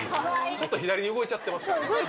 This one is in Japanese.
ちょっと左に動いちゃってますからね。